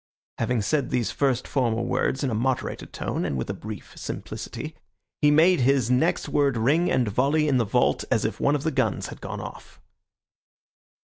Having said these first formal words in a moderated tone and with a brief simplicity, he made his next word ring and volley in the vault as if one of the guns had gone off.